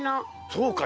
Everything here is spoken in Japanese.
そうか。